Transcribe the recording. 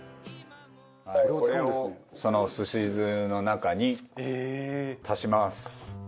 これをその寿司酢の中に足します。